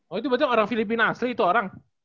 oh itu berarti orang filipina asli itu orang